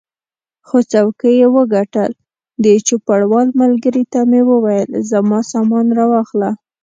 خو څوکۍ یې وګټل، د چوپړوال ملګري ته مې وویل زما سامان را واخله.